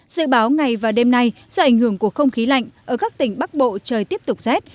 dự báo ngày và đêm nay do ảnh hưởng của không khí lạnh ở các tỉnh bắc bộ trời tiếp tục rét